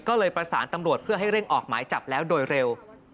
ก็เลยประสานตำรวจเพื่อให้เร่งออกหมายจับแล้วโดยเร็ว